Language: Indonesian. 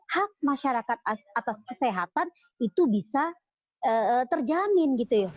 hak masyarakat atas kesehatan itu bisa terjamin